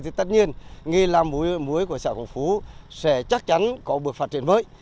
thì tất nhiên nghề làm muối của xã quảng phú sẽ chắc chắn có bước phát triển mới